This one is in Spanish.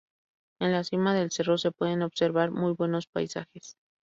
En la cima del cerro se pueden observar muy buenos paisajes.